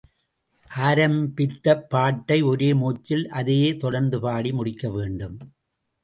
ஆரம்பித்தப் பாட்டை ஒரே மூச்சில், அதையே தொடர்ந்து பாடி முடிக்க வேண்டும்.